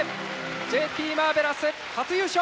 ＪＴマーヴェラス初優勝！